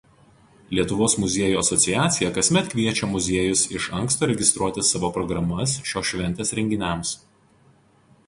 Lietuvos muziejų asociacija kasmet kviečia muziejus iš anksto registruoti savo programas šios šventės renginiams.